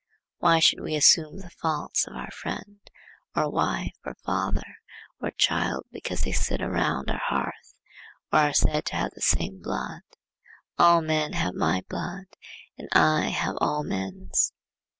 Why should we assume the faults of our friend, or wife, or father, or child, because they sit around our hearth, or are said to have the same blood? All men have my blood and I have all men's.